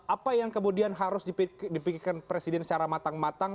apa yang kemudian harus dipikirkan presiden secara matang matang